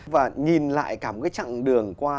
và nhìn lại cả một cái chặng đường qua